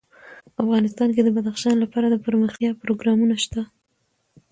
افغانستان کې د بدخشان لپاره دپرمختیا پروګرامونه شته.